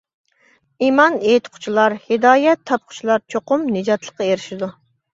ئىمان ئېيتقۇچىلار، ھىدايەت تاپقۇچىلار چوقۇم نىجاتلىققا ئېرىشىدۇ.